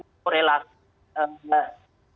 jadi saya juga mencoba untuk mengatakan bahwa